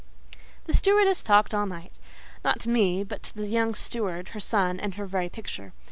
The stewardess talked all night; not to me but to the young steward, her son and her very picture.